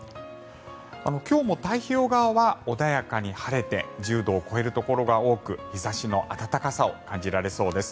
今日も太平洋側は穏やかに晴れて１０度を超えるところが多く日差しの暖かさを感じられそうです。